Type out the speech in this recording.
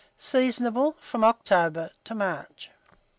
Seasonable from October to March.